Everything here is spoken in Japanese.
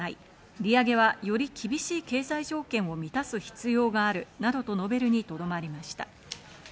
利上げはより厳しい経済条件を満たす必要があるなどと述べるにとどまりました。